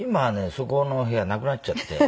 そこの部屋なくなっちゃって。